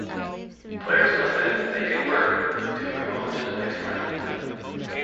Players must then "make it work" to move on to the next round.